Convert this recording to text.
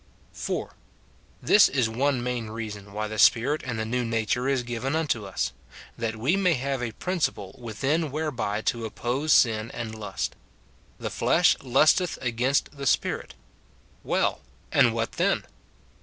4. This is one main reason why the Spirit and the new nature is given unto us, — that we may have a prin ciple within whereby to oppose sin and lust. " The flesh lusteth against the spirit." Well! and what then?